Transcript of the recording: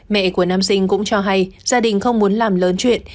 mẹ của nam sinh cũng cho hay gia đình không muốn làm lớn chuyện